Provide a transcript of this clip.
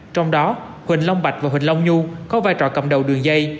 trong đó huỳnh long bạch và huỳnh long nhu có vai trò cầm đầu đường dây